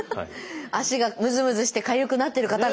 足がムズムズしてかゆくなってる方が。